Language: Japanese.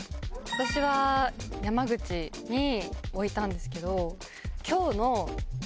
私は山口に置いたんですけど。